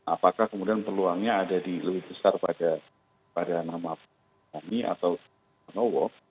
apakah kemudian peluangnya ada di lebih besar pada nama kami atau nowo